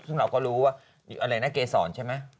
ซึ่งเราก็รู้ว่าเกศรใช่ไหม